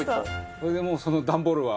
これでもうその段ボールは。